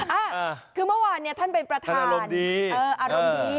อ่าคือเมื่อวานเนี้ยท่านเป็นประธานอารมณ์ดีเอออารมณ์ดี